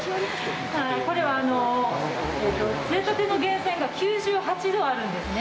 これは、杖立の源泉が９８度あるんですね。